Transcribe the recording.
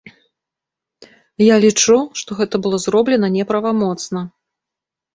Я лічу, што гэта было зроблена неправамоцна.